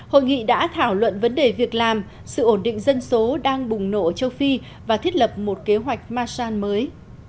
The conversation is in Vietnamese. hội nghị đã thảo luận vấn đề việc làm sự ổn định dân số đang bùng nổ ở châu phi và thiết lập một kế hoạch masan mới